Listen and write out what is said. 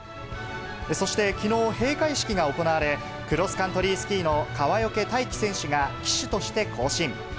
そして、きのう閉会式が行われ、クロスカントリースキーの川除大輝選手が旗手として行進。